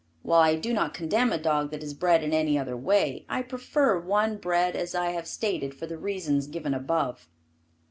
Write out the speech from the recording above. While I do not condemn a dog that is bred in any other way, I prefer one bred as I have stated for the reasons given above.